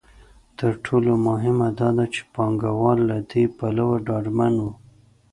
تر ټولو مهمه دا ده چې پانګوال له دې پلوه ډاډمن وو.